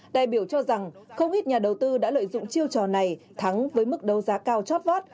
đại biểu cho rằng không ít nhà đầu tư đã lợi dụng chiêu trò này thắng với mức đấu giá cao chót vót